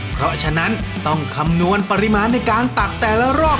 เพราะฉะนั้นต้องคำนวณปริมาณในการตักแต่ละรอบให้ดีละกันนะครับ